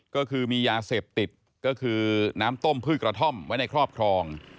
ก็คือมียาเสพติดก็คือน้ำต้มพืชกระท่อมไว้ในครอบครอง